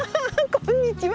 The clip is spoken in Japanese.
こんにちは。